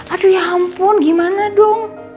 aduh ya ampun gimana dong